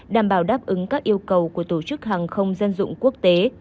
đảm bảo đáp ứng các yêu cầu của tổ chức hàng không dân dụng quốc tế